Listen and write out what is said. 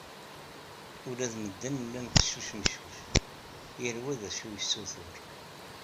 Ula d medden llan qeccuc meccuc, yal wa d acu yessutur.